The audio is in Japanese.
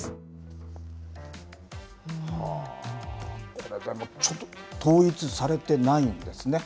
これでもちょっと、統一されてないんですね。